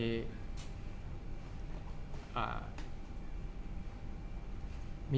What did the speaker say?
จากความไม่เข้าจันทร์ของผู้ใหญ่ของพ่อกับแม่